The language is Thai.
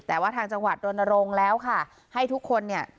แต่ว่าทางจังหวัดรณรงค์แล้วค่ะให้ทุกคนเนี่ย